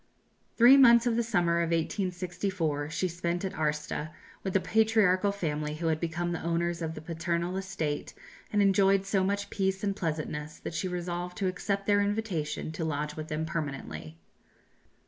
Three months of the summer of 1864 she spent at Arsta with the patriarchal family who had become the owners of the paternal estate, and enjoyed so much peace and pleasantness that she resolved to accept their invitation to lodge with them permanently.